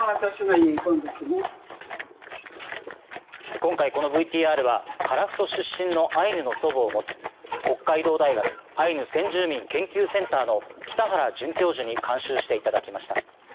今回このＶＴＲは樺太出身のアイヌの祖母を持つ北海道大学アイヌ・先住民研究センターの北原准教授に監修していただきました。